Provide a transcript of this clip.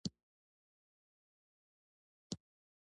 اراس سیند د دوی پوله ده.